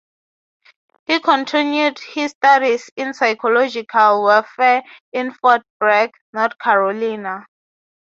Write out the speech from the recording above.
He continued his studies in psychological warfare in Fort Bragg, North Carolina.